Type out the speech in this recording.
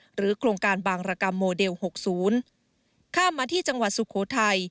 โครงการบางรกรรมโมเดล๖๐ข้ามมาที่จังหวัดสุโขทัย